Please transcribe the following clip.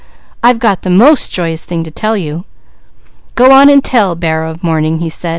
"I've got the most joyous thing to tell you." "Go on and tell, 'Bearer of Morning,'" he said.